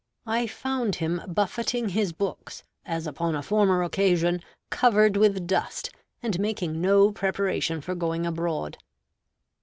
I found him buffeting his books, as upon a former occasion, covered with dust, and making no preparation for going abroad.